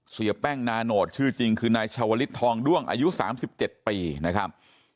เสียแป้งนาโนตชื่อจริงคือนายชาวลิศทองด้วงอายุ๓๗ปีนะครับ